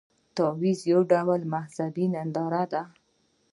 تعزیه یو ډول مذهبي ننداره ده.